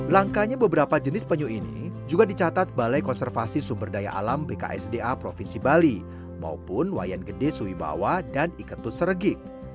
langkahnya beberapa jenis penyu ini juga dicatat balai konservasi sumber daya alam bksda provinsi bali maupun wayanggede suwibawa dan iketut seregik